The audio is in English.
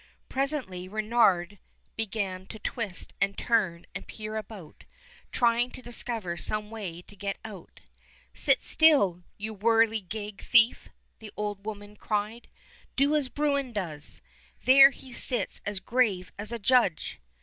Presently Reynard began to twist and turn and peer about, trying to discover some way to get out. "Sit still, you whirligig thief!" the old woman cried. "Do as Bruin does. There he sits as grave as a judge."